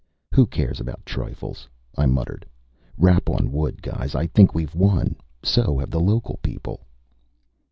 "Who cares about trifles?" I muttered. "Rap on wood, guys I think we've won. So have the local people."